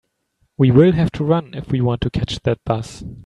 We will have to run if we want to catch that bus.